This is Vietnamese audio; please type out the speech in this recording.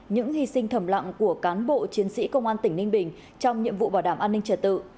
những hy sinh thầm lặng của cán bộ chiến sĩ công an tỉnh ninh bình trong nhiệm vụ bảo đảm an ninh trật tự